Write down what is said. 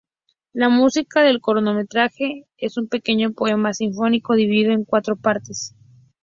La música del cortometraje es un pequeño poema sinfónico dividido en cuatro partes.